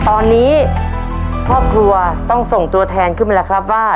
ตอนนี้ครอบครัวต้องส่งตัวแทนขึ้นมาแล้วครับว่า